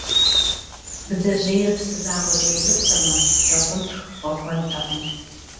Бдзэжьейр псы закъуэкӏэ ирикъутэмэ бдзэкъунтх фӏэхуэнтэкъым.